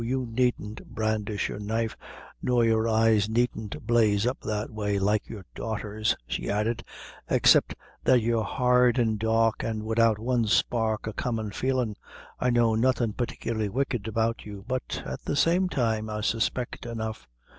you needn't brandish your knife nor your eyes needn't blaze up that way, like your daughter's," she added, "except that you're hard an' dark, and widout one spark o' common feelin', I know nothin' particularly wicked about you but, at the same time, I suspect enough."